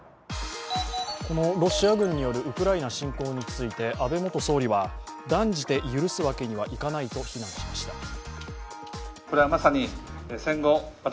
このロシア軍によるウクライナ侵攻について安倍元総理は、断じて許すわけにはいかないと非難しました。